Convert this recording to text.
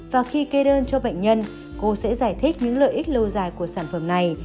và khi kê đơn cho bệnh nhân cô sẽ giải thích những lợi ích lâu dài của sản phẩm này